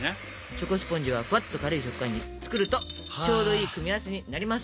チョコスポンジはふわっと軽い食感に作るとちょうどいい組み合わせになります。